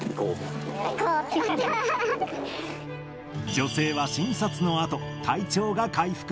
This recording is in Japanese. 女性は診察のあと、体調が回復。